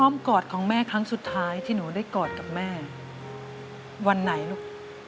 กอดของแม่ครั้งสุดท้ายที่หนูได้กอดกับแม่วันไหนลูก